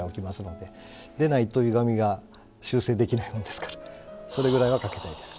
でないとゆがみが修正できないもんですからそれぐらいはかけたいです。